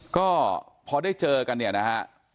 ก็พอได้เจอกันเนี่ยนะฮะ